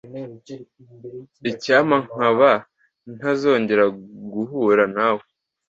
Icyampa nkaba ntazongera guhura nawe.